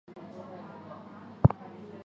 伊塔茹伊皮是巴西巴伊亚州的一个市镇。